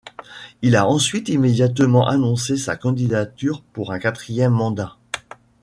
Il a ensuite immédiatement annoncé sa candidature pour un quatrième mandat.